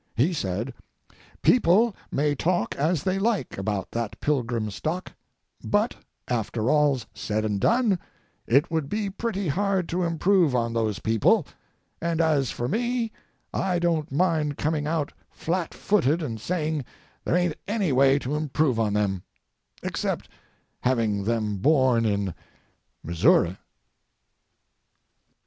He said: "People may talk as they like about that Pilgrim stock, but, after all's said and done, it would be pretty hard to improve on those people; and, as for me, I don't mind coming out flatfooted and saying there ain't any way to improve on them—except having them born in Missouri!"